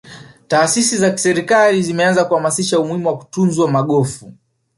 taasisi za kiserikali zimeanza kuhamasisha umuhimu wa kutunzwa magofu